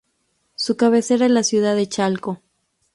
Su cabecera es la ciudad de Chalco.